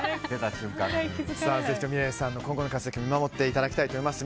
ぜひともｍｉｌｅｔさんの今後の活躍を見守っていただきたいと思います。